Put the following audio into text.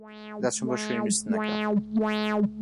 دەچم بۆ شوێنی نوستنەکەم.